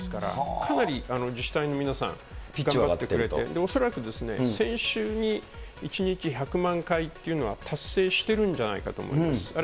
かなり自治体の皆さん、頑張ってくれて、恐らく先週に１日１００万回というのは達成してるんじゃないかと思います。